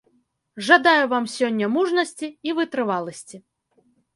Жадаю вам сёння мужнасці і вытрываласці.